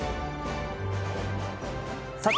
さて、